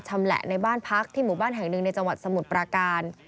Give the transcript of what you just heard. ชำแหละในบ้านพักที่หมู่บ้านแห่งหนึ่งในจังหวัดสมุทรปราการ